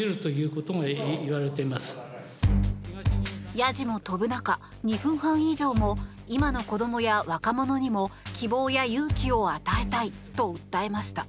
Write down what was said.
やじも飛ぶ中２分半以上も今の子どもや若者にも希望や勇気を与えたいと訴えました。